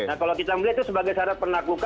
nah kalau kita melihat itu sebagai syarat penaklukan